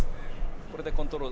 これでコントロール。